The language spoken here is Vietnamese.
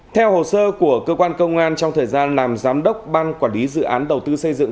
theo hồ sơ của cơ quan công an trong thời gian làm giám đốc ban quản lý dự án đầu tư xây dựng